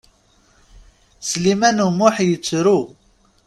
Sliman U Muḥ yettru.